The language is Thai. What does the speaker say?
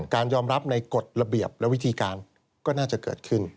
การยอมรับในกฎระเบียบและวิธีการก็น่าจะเกิดขึ้น